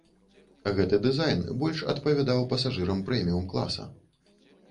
Гэты дызайн больш адпавядаў пасажырам прэміум-класа.